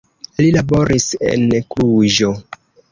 Li laboris en Kluĵo.